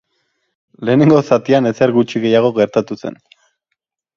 Lehenengo zatian ezer gutxi gehiago gertatu zen.